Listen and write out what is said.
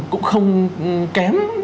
cũng không kém